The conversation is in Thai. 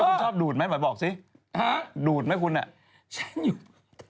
คุณชอบดูดไหมหมอยบอกสิดูดไหมคุณน่ะฉันอยู่